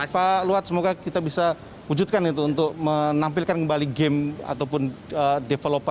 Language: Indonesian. pak luat semoga kita bisa wujudkan itu untuk menampilkan kembali game ataupun developer